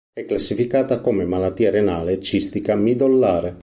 È classificata come malattia renale cistica midollare.